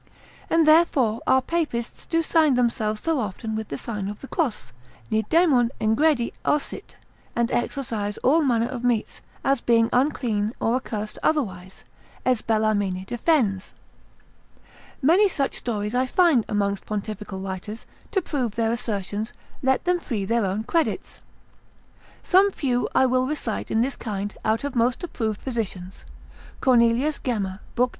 And therefore our Papists do sign themselves so often with the sign of the cross, Ne daemon ingredi ausit, and exorcise all manner of meats, as being unclean or accursed otherwise, as Bellarmine defends. Many such stories I find amongst pontifical writers, to prove their assertions, let them free their own credits; some few I will recite in this kind out of most approved physicians. Cornelius Gemma, lib. 2.